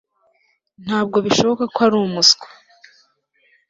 Ntabwo bishoboka ko ari umuswa